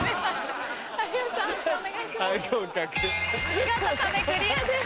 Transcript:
見事壁クリアです。